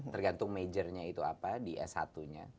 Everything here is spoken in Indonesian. tergantung majornya itu apa di s satu nya